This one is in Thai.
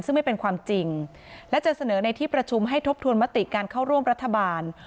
ซึ่งไม่เป็นความจริงและจะเสนอในที่ประชุมให้ทบทวนมติการเข้าร่วมรัฐบาล